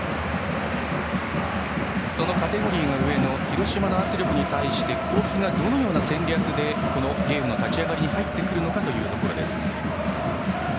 そのカテゴリーが上の広島の圧力に対して甲府がどのような戦略でこのゲームの立ち上がりに入ってくるのかというところです。